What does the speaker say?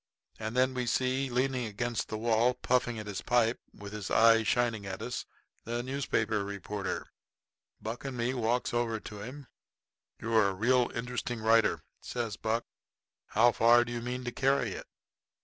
And then we see leaning against the wall, puffing at his pipe, with his eye shining at us, this newspaper reporter. Buck and me walks over to him. "You're a real interesting writer," says Buck. "How far do you mean to carry it?